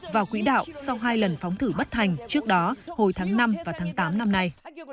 vào quỹ đạo sau hai lần phóng thử bất thành trước đó hồi tháng năm và tháng tám năm nay